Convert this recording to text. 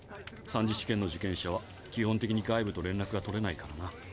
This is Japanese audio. ３次試験の受験者は基本的に外部と連絡が取れないからな。